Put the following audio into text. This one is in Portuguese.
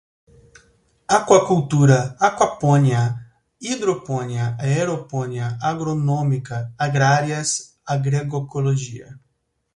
aquacultura, aquaponia, hidroponia, aeroponia, agronômica, agrárias, agroecologia